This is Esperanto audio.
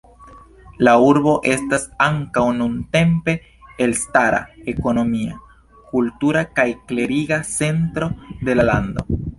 La urbo estas ankaŭ nuntempe elstara ekonomia, kultura kaj kleriga centro de la lando.